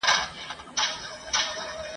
یا را یاد کم یو په یو هغه ځایونه !.